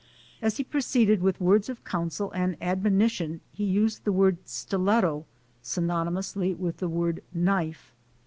As he proceeded with words of counsel and ad monition, he used the word "stiletto" synonomously with the word "knife."